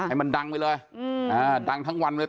ให้มันดังไปเลยดังทั้งวันเลย